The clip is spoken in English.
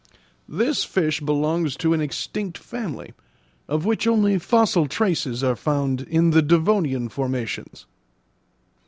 "This fish belongs to an extinct family, of which only fossil traces are found in the devonian formations."